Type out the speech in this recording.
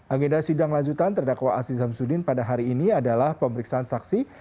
agenda sidang lanjutan terdakwa asi samsudin pada hari ini adalah pemeriksaan saksi